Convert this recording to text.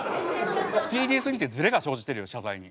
スピーディーすぎてズレが生じてるよ謝罪に。